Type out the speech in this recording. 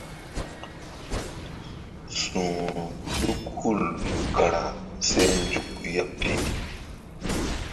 Su̧hru ɗuk hul kara se nzukri ya pi.